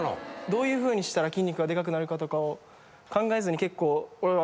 どういうふうにしたら筋肉がでかくなるかとかを考えずに結構おらおらってやるイメージが。